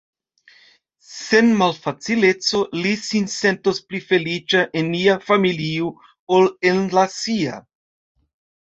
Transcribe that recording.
Sen malfacileco li sin sentos pli feliĉa en nia familio ol en la sia.